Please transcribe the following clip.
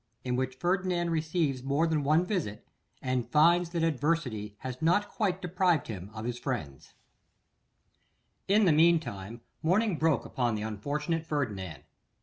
In Which Ferdinand Receives More than One Visit, and Finds That Adversity Has Not Quite Deprived Him of His Friends. IN THE mean time morning broke upon the unfortunate Ferdinand.